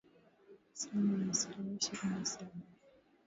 sawa na asilimia ishirini na saba